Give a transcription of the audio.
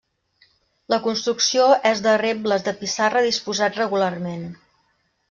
La construcció és de rebles de pissarra disposats regularment.